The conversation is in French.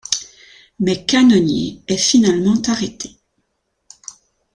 Mais Cannonier est finalement arrêté.